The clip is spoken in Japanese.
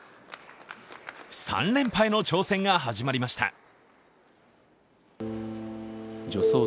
３連覇への挑戦が始まりました。